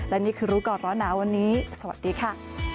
และนี่คือรู้ก่อนร้อนหนาวันนี้สวัสดีค่ะ